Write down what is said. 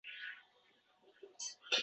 Anor sharbati oson hazm bo‘ladi.